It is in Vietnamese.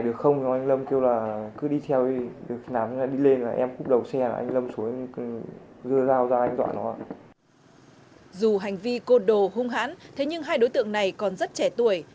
dù hành vi côn đồ hung hãn thế nhưng hai đối tượng này còn rất trẻ tuổi